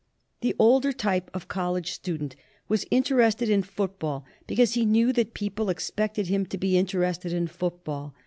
"The older type of 'College student was inter ested in football because he knew that people 208 LITERATURE IN COLLEGES expected him to be interested in football.